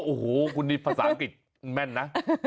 โอ้โหคุณนี่ภาษาอังกฤษแม่นนะ